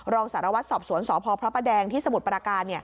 รองสารวัตรสอบสวนสพพระประแดงที่สมุทรปราการ